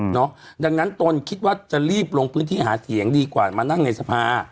ดังนั้นตนคิดว่าจะรีบลงพื้นที่หาเสียงดีกว่ามานั่งในสภา